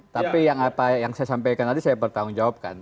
tapi yang apa yang saya sampaikan tadi saya bertanggung jawabkan